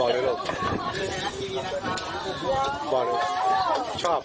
บอกเลยลูกชอบชอบ